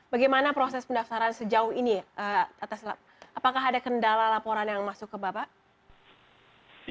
bagaimana proses pendaftaran sejauh ini apakah ada kendala laporan yang masuk ke bapak